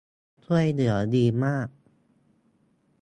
ช่วยเหลือดีมาก